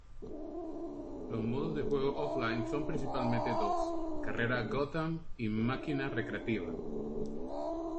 Los modos de juego Offline son principalmente dos: Carrera Gotham y Máquina recreativa.